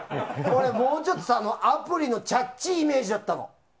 俺、もうちょっとアプリのちゃっちいイメージだったの。